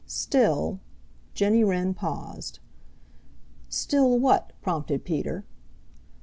Still " Jenny Wren paused. "Still what?" prompted Peter.